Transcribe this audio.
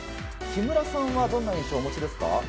木村さんはどんな印象をお持ちですか？